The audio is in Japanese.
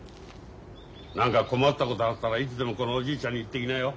何か困ったことがあったらいつでもこのおじいちゃんに言ってきなよ。